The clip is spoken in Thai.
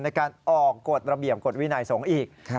ในการออกกฎระเบียบกฎวินัยสงฆ์อีก